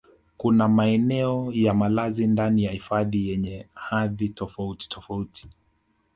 Kuna maeneo ya malazi ndani ya hifadhi yenye hadhi tofautitofauti